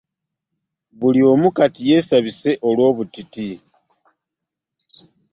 Buli omu kati yeesabise olw'obutiti.